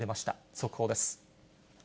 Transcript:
速報です。